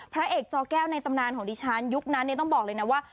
พระเอกจอแก้วในตำนานของดิฉันยุคนั้นต้องบอกเลยนะว่า